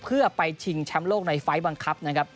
เพื่อไปชิงแชมป์โลกในไฟล์บังคับนะครับ